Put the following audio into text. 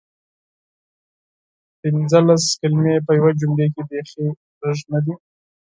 پنځلس کلمې په یوې جملې کې بیخې کمې ندي؟!